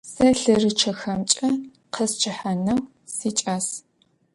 Сэ лъэрычъэхэмкӀэ къэсчъыхьанэу сикӀас.